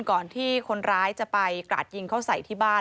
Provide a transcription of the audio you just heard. ก่อนที่คนร้ายจะไปกราดยิงเขาใส่ที่บ้าน